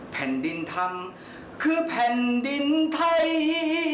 แผ่นดินธรรมคือแผ่นดินไทย